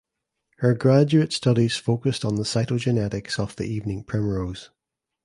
Her graduate studies focused on the cytogenetics of the evening primrose.